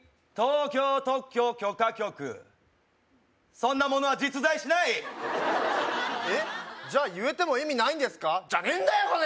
東京特許許可局そんなものは実在しないえっじゃあ言えても意味ないんですかじゃねえんだよ